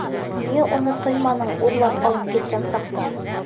Ниңә уны тыйманың урлап алып киткән саҡта?